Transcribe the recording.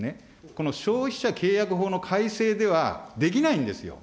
この消費者契約法の改正ではできないんですよ。